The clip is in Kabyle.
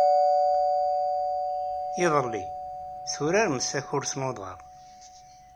Iḍelli, turaremt takurt n uḍar.